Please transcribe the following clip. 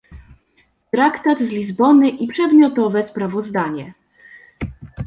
Traktat z Lizbony i przedmiotowe sprawozdanie